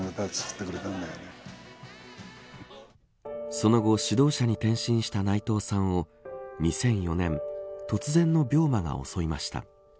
その後、指導者に転身した内藤さんを２００４年突然の病魔が襲いました。